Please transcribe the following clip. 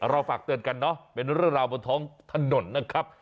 ฝากเตือนกันเนอะเป็นเรื่องราวบนท้องถนนนะครับ